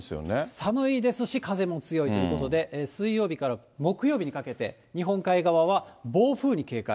寒いですし、風も強いということで、水曜日から木曜日にかけて、日本海側は暴風に警戒。